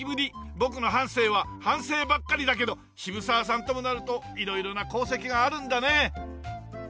僕の半生は反省ばっかりだけど渋沢さんともなると色々な功績があるんだね。